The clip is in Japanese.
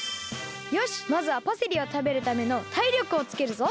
よしまずはパセリをたべるためのたいりょくをつけるぞ。